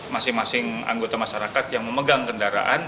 masing masing anggota masyarakat yang memegang kendaraan